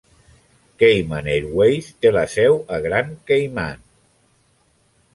Cayman Airways té la seu a Grand Cayman.